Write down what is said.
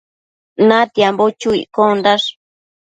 Natiambo chu iccondash